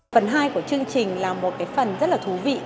phần hai của chương trình là một cái phần rất là thú vị